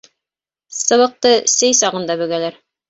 Сыбыҡты сей сағында бөгәләр.